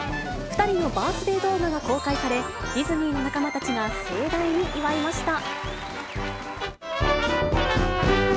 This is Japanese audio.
２人のバースデー動画が公開され、ディズニーの仲間たちが盛大に祝いました。